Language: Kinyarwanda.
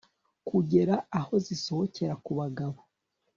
kugera aho zisohokera ku bagabo